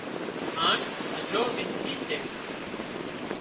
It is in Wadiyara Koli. هانَ هڌرو مستري سي